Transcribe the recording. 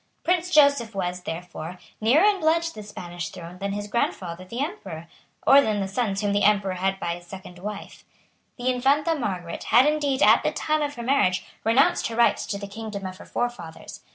Prince Joseph was, therefore, nearer in blood to the Spanish throne than his grandfather the Emperor, or than the sons whom the Emperor had by his second wife. The Infanta Margaret had indeed, at the time of her marriage, renounced her rights to the kingdom of her forefathers.